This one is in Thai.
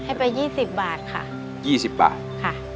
ให้ไปยี่สิบบาทค่ะยี่สิบบาทค่ะ